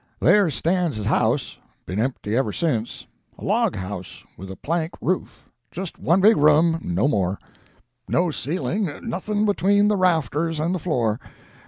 There stands his house been empty ever since; a log house, with a plank roof just one big room, and no more; no ceiling nothing between the rafters and the floor.